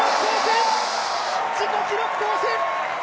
自己記録更新！